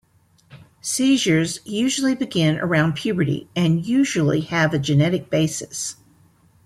Seizures usually begin around puberty and usually have a genetic basis.